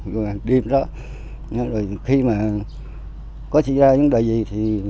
và đêm đó rồi khi mà có xảy ra vấn đề gì thì